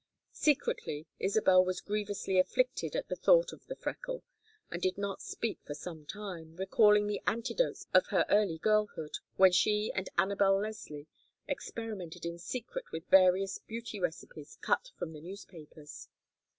Secretly, Isabel was grievously afflicted at the thought of the freckle, and did not speak for some time, recalling the antidotes of her early girlhood, when she and Anabel Leslie experimented in secret with various beauty recipes cut from the newspapers.